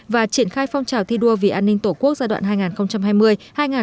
và triển khai phong trào thi đua vì an ninh tổ quốc giai đoạn hai nghìn hai mươi hai nghìn hai mươi năm